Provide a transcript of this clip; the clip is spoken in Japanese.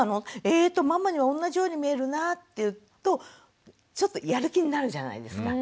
えっとママにはおんなじように見えるな」って言うとちょっとやる気になるじゃないですか。